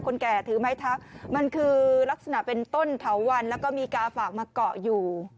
แก่ถือไม้ทักมันคือลักษณะเป็นต้นเถาวันแล้วก็มีกาฝากมาเกาะอยู่